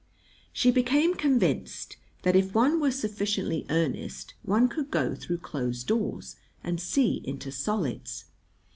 [She became convinced that if one were sufficiently earnest one could go through closed doors and see into solids.